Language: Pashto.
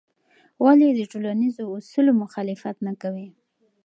ولې د ټولنیزو اصولو مخالفت مه کوې؟